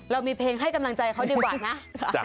เรามีเพลงให้กำลังใจเขาดีกว่านะ